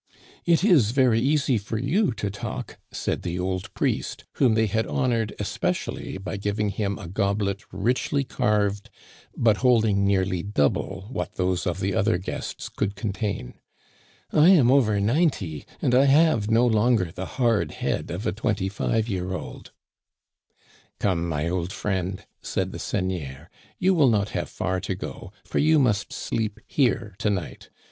'* It is very easy for you to talk," said the old priest, whom they had honored especially by giving him a gob let richly carved, but holding nearly double what those of the other guests could contain. " I am over ninety, and I have no longer the hard head of a twenty five year old." Digitized by VjOOQIC A SUPPER, 8 1 " Come, my old friend," said the seigneur, " you will not have far to go, for you must sleep here to night.